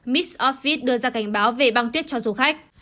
mix office đưa ra cảnh báo về băng tuyết cho du khách